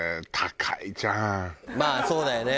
まあそうだよね。